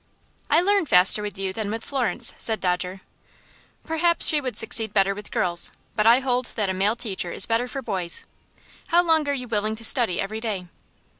"I learn faster with you than with Florence," said Dodger. "Probably she would succeed better with girls, but I hold that a male teacher is better for boys. How long are you willing to study every day?"